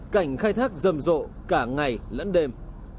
cảnh khai thác rầm rộ cả ngày lẫn đêm